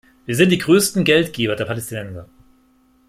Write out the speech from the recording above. Wir sind die größten Geldgeber der Palästinenser.